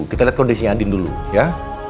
kita lihat kondisinya andin dulu ya